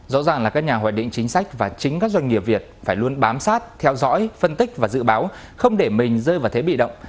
rõ ràng là các nhà hoạch định chính sách và chính các doanh nghiệp việt phải luôn bám sát theo dõi phân tích và dự báo không để mình rơi vào thế bị động